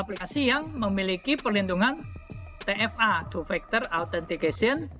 aplikasi yang memiliki perlindungan tfa two factor authentication